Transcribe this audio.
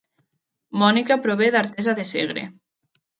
Mònica prové d'Artesa de Segre